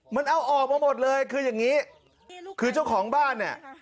มันเอาออกมาหมดเลยคืออย่างนี้คือเจ้าของบ้านเนี่ย